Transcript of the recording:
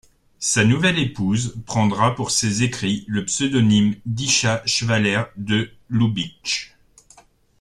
Sa nouvelle épouse prendra pour ses écrits le pseudonyme d'Isha Schwaller de Lubicz.